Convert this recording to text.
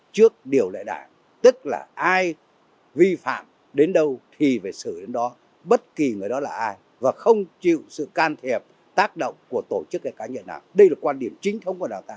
trong lực lượng vũ trang